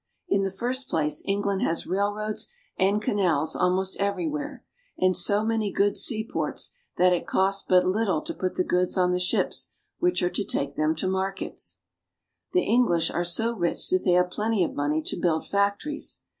In the first place, England has railroads and canals almost everywhere, and so many good seaports that it costs but little to put the goods on the ships which are to take them to the markets. The Eng lish are so rich that they have plenty of money to build factories.